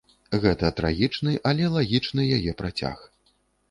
Гэта трагічны, але лагічны яе працяг.